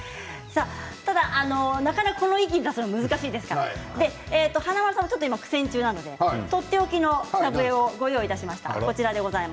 ただ、なかなかこの域に達するのは難しいですから華丸さんはちょっと苦戦中なのでとっておきの草笛をご用意しました。